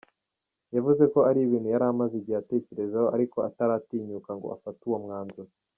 Yavuze ko ari ibintu yari amaze igihe atekerezaho ariko ataritinyuka ngo afate uwo mwanzuro.